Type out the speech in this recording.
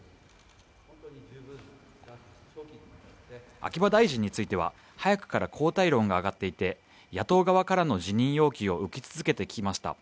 秋葉大臣については早くから交代論が上がっていて野党側からの辞任要求を受け続けてきました。